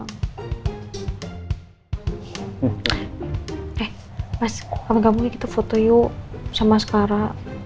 eh mas kamu ga mau kita foto yuk sama skara